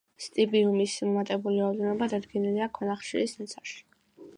სტიბიუმის მომატებული რაოდენობა დადგენილია ქვანახშირის ნაცარში.